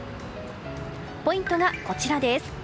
ポイントはこちらです。